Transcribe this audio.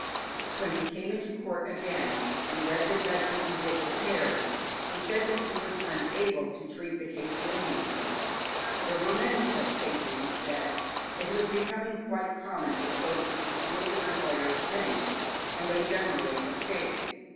When he came into court again and read the judgment he had prepared, he said that he was unable to treat the case leniently. There were many such cases, he said. It was becoming quite common for servants to steal their employers' things, and they generally escaped.